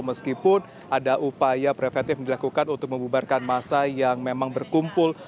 meskipun ada upaya preventif dilakukan untuk membubarkan masa yang memang berkumpul